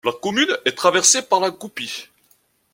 La commune est traversée par la Gupie.